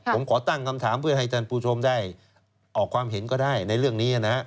ผมขอตั้งคำถามเพื่อให้ท่านผู้ชมได้ออกความเห็นก็ได้ในเรื่องนี้นะฮะ